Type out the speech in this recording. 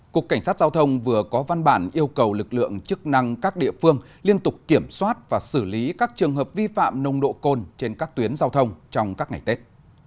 cục cảnh sát giao thông vừa có văn bản yêu cầu lực lượng chức năng các địa phương liên tục kiểm soát và xử lý các trường hợp vi phạm nông độ côn trên các tuyến giao thông trong các ngày tết